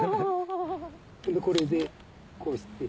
これでこうして。